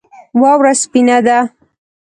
واوره سپینه ده